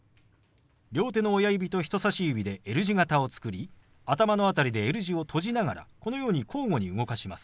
両手の親指と人さし指でＬ字型を作り頭の辺りでＬ字を閉じながらこのように交互に動かします。